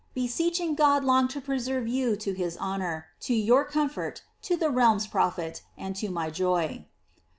Beseeching God long to preserve you to hi9 honour, to your comfort, to the realm's profit, and to my joy.